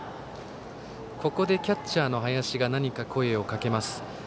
ここでキャッチャーの林が何か声をかけます。